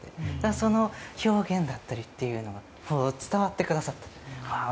その表現だったりというのが伝わってくださった。